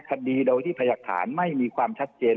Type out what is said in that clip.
คดีโดยที่พยากฐานไม่มีความชัดเจน